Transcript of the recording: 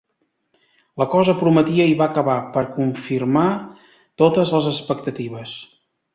La cosa prometia i va acabar per confirmar totes les expectatives.